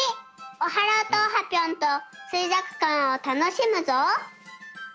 オハローとオハぴょんとすいぞくかんをたのしむぞ！